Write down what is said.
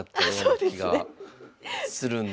気がするんで。